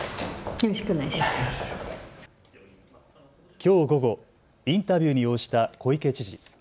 きょう午後、インタビューに応じた小池知事。